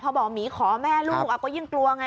พอบอกหมีขอแม่ลูกก็ยิ่งกลัวไง